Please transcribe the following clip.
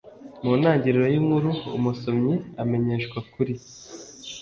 mu ntangiriro yinkuru. umusomyi amenyeshwa kuri